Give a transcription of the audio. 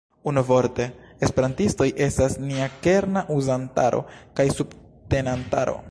Unuvorte, esperantistoj estas nia kerna uzantaro kaj subtenantaro.